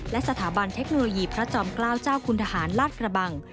และสถาบันเทคโนโลยีพระจอมเกล้าเจ้าคุณทหารลาดกระบัง